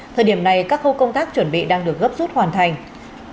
thời điểm này các khâu công tác chuẩn bị đang được gấp rút hoàn thành